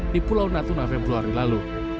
di pulau natuna februari lalu